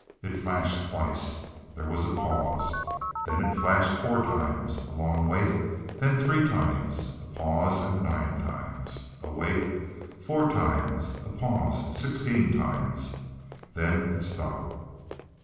It flashed twice. There was a pause. Then it flashed four times. A long wait. Then three times, a pause and nine times. A wait. Four times, a pause, sixteen times. Then it stopped.